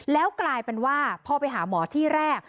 แล้วกลายเป็นว่าพอไปหาหมอที่แรก